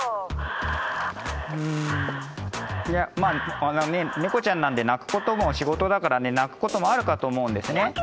うんいやまあ猫ちゃんなんで鳴くことも仕事だからね鳴くこともあるかと思うんですね。